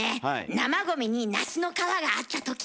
生ゴミに梨の皮があったとき。